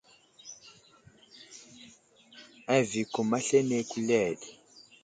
Avi i kum aslane kuleɗ.